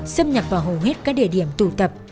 xâm nhập vào hầu hết các địa điểm tụ tập